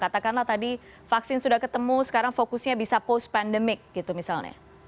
katakanlah tadi vaksin sudah ketemu sekarang fokusnya bisa post pandemic gitu misalnya